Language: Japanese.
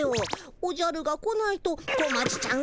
おじゃるが来ないと小町ちゃん